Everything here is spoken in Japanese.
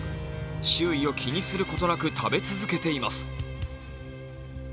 周囲を気にすることなく食べ続けています。